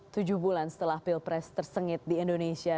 tujuh bulan setelah pilpres tersengit di indonesia